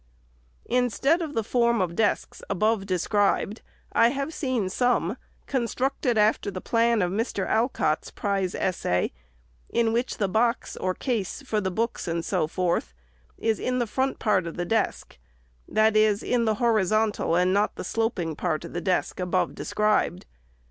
Instead of the form of desks, above described, I have seen some, constructed after the plan of Mr. Alcott's Prize Essay, in which the box or case for the books, and so forth, is in the front part of the desk ; that is, in the horizontal and not the sloping part of the desk above described.